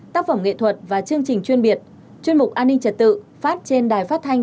tác phẩm nghệ thuật và chương trình chuyên biệt chuyên mục an ninh trật tự phát trên đài phát thanh